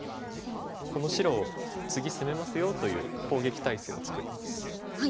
この白を次攻めますよという攻撃態勢を作ります。